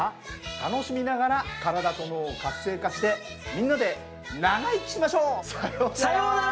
楽しみながら体と脳を活性化してみんなで長生きしましょう！さようなら。